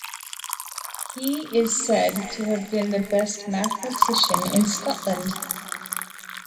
He is said to have been the best mathematician in Scotland.